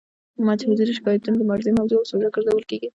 محدود شکایتونه د مبارزې موضوع او سوژه ګرځول کیږي.